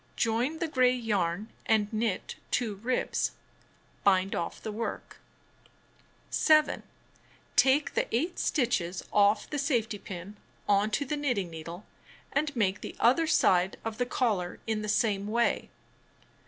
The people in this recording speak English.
Join the gray yam and knit 2 ribs. Bind off the work. 7. Take the 8 stitches off the safety pin on to the knitting needle and make the other side of the c(jllar in the same way.